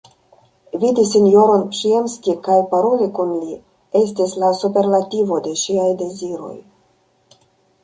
Vidi sinjoron Przyjemski kaj paroli kun li estis la superlativo de ŝiaj deziroj.